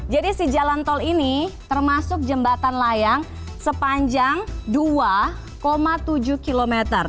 jadi si jalan tol ini termasuk jembatan layang sepanjang dua tujuh km